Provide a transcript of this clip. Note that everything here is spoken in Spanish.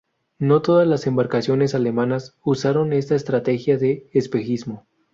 No todas las embarcaciones alemanas usaron esta estrategia de espejismo.